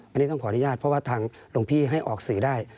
อันนี้ต้องขออนุญาตเพราะว่าทางหลวงพี่ให้ออกสื่อได้